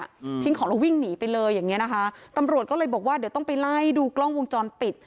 อืมทิ้งของแล้ววิ่งหนีไปเลยอย่างเงี้นะคะตำรวจก็เลยบอกว่าเดี๋ยวต้องไปไล่ดูกล้องวงจรปิด